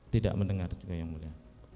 tidak mendengar juga yang mulia